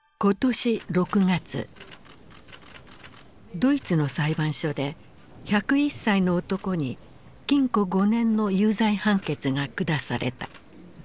ドイツの裁判所で１０１歳の男に禁錮５年の有罪判決が下された。